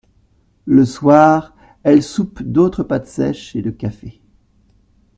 Le soir, elle soupe d'autres pâtes sèches et de café.